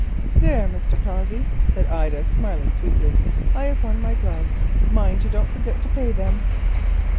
"There, Mr. Cossey," said Ida, smiling sweetly, "I have won my gloves. Mind you don't forget to pay them."